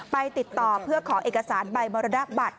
ไปติดต่อเพื่อขอเอกสารใบมรณบัตร